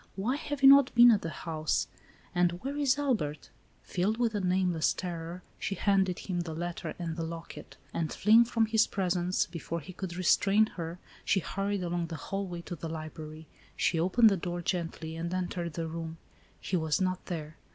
"Why have you not been at the house; and where is Albert ?" Filled with a nameless terror, she handed him the letter and the locket; and, fleeing from his 106 ALICE ; OR, THE WAGES OF SIN. presence, before he could restrain her, she hurried along the hallway to the library. She opened the door gently, and entered , the room. He was not there.